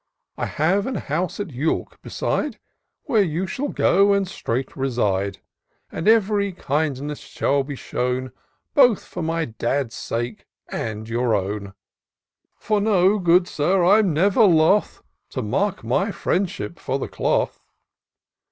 I have a house at York beside, Where you shall go and straight reside, And ev'ry kindness shall be shown, Both for my Dad's sake, and your own ! For know, good Sir, I'm never loth To mark my friendship for the Cloth.